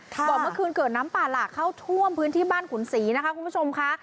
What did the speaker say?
บอกเมื่อคืนเกิดน้ำป่าหลากเข้าท่วมพื้นที่บ้านขุนศรีนะคะคุณผู้ชมค่ะ